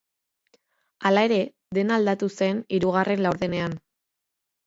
Hala ere, dena aldatu zen hirugarren laurdenean.